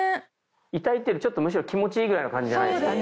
痛いっていうよりちょっとむしろ気持ちいいぐらいの感じじゃないですか？